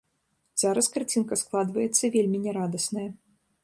Зараз карцінка складваецца вельмі нярадасная.